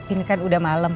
ini kan udah malem